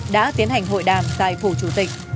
đã tiến hành hội đàm tại phủ chủ tịch